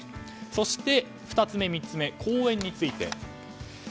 そして２つ目、３つ目講演について。